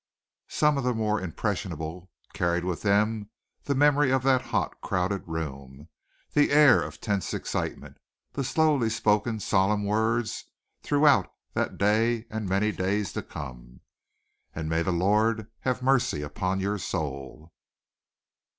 Some of the more impressionable carried with them the memory of that hot, crowded room, the air of tense excitement, the slowly spoken, solemn words, throughout that day and many days to come. "And may the Lord have mercy upon your soul!"